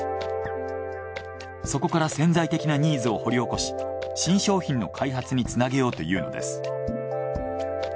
そこから潜在的なニーズを掘り起こし新商品の開発につなげようというのです。